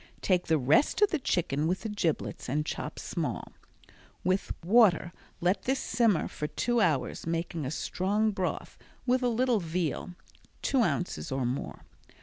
Take the rest of the chicken with the giblets and chop small. With water let this simmer for two hours, making a strong broth with a little veal (two ounces or more).